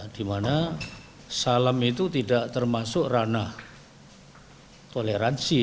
di mana salam itu tidak termasuk ranah toleransi